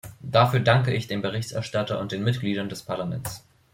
Dafür danke ich dem Berichterstatter und den Mitgliedern des Parlaments.